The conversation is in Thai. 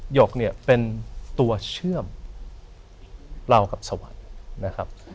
ยกเนี่ยเป็นตัวเชื่อมเรากับสวัสดิ์นะครับ